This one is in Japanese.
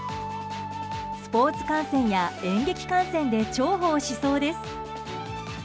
スポーツ観戦や演劇観戦で重宝しそうです。